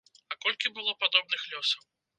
А колькі было падобных лёсаў?